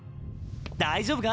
大丈夫か？